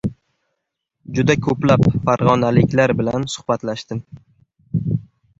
Juda ko‘plab farg‘onaliklar bilan suhbatlashdim.